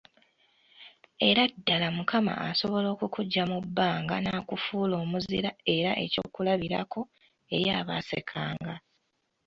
Era ddala Mukama asobola okukuggya mu bbanga n'akufuula omuzira era ekyokulabirako eri abaasekanga.